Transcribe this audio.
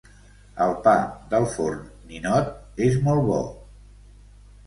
El pa del forn Ninot és molt bo